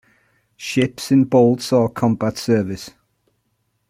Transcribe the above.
Ships in bold saw combat service.